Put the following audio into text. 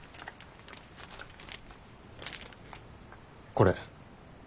これ。